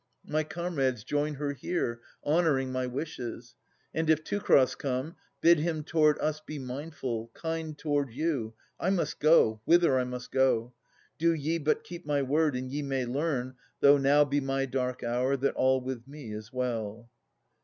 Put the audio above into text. My comrades, join her here. Honouring my wishes ; and if Teucer come. Bid him toward us be mindful, kind toward you. I must go — whither I must go. Do ye But keep my word, and ye may learn, though now Be my dark hour, that all with me is well.